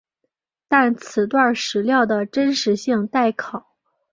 但此段史料的真实性待考。